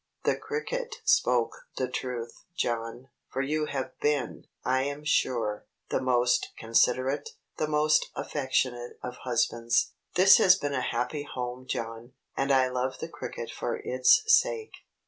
"The cricket spoke the truth, John, for you have been, I am sure, the most considerate, the most affectionate of husbands. This has been a happy home, John; and I love the cricket for its sake."